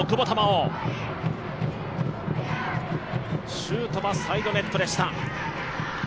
シュートはサイドネットでした。